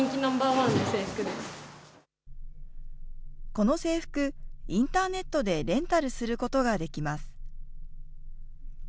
この制服、インターネットでレンタルすることができます。